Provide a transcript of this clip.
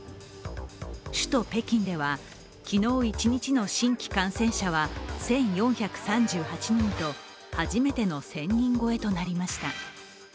首都北京では、昨日一日の新規感染者は１４３８人と初めての１０００人超えとなりました。